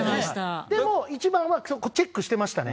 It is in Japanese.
でも一番はチェックしてましたね。